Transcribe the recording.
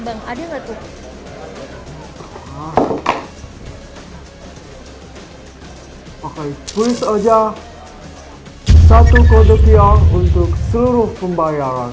bang ada nggak tuh oke tulis aja satu kode kial untuk seluruh pembayaran